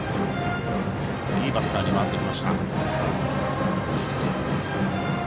いいバッターに回ってきました。